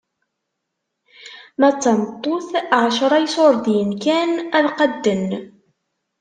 Ma d tameṭṭut, ɛecṛa n iṣurdiyen kan ad qadden.